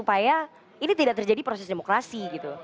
apakah ini tidak terjadi proses demokrasi